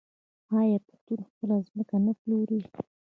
آیا پښتون خپله ځمکه نه پلوري؟